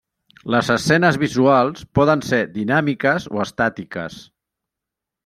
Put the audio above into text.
Les escenes visuals poden ser dinàmiques o estàtiques.